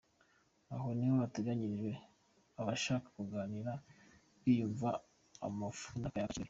Aha niho hateganyirijwe abashaka kuganira biyumvira amafu n'akayaga ka Kigali.